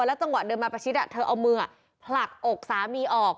แล้วจังหวะเดินมาประชิดเธอเอามือผลักอกสามีออก